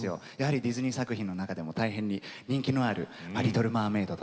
ディズニー作品の中でも大変人気のある「リトル・マーメイド」